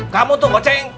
kamu tuh goceng